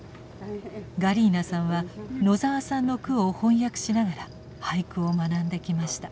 ガリーナさんは野澤さんの句を翻訳しながら俳句を学んできました。